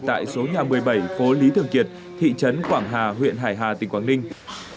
tại số nhà một mươi bảy phố lý thường kiệt thị trấn quảng hà huyện hải hà tỉnh quảng ninh